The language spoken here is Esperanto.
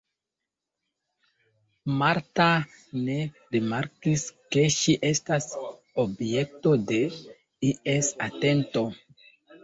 Marta ne rimarkis, ke ŝi estas objekto de ies atento.